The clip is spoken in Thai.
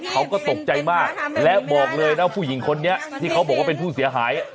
เขาก็ตกใจมากและบอกเลยนะผู้หญิงคนนี้ที่เขาบอกว่าเป็นผู้เสียหาย